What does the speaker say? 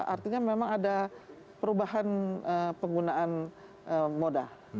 artinya memang ada perubahan penggunaan moda